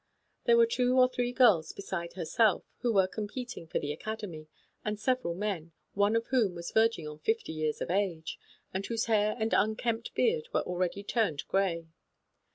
There were two or three other girls, besides herself, who were competing for the Acad emy, and several men, one of whom was verging on fifty years of age, and whose hair and unkempt beard were already turned grey.